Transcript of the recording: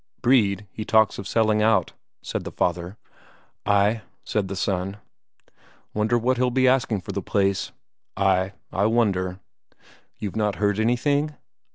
"Brede, he talks of selling out," said the father. "Ay," said the son. "Wonder what he'll be asking for the place?" "Ay, I wonder." "You've not heard anything?"